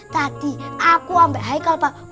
tadi aku sampai haikal pak